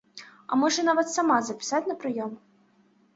А можа нават сама запісаць на прыём.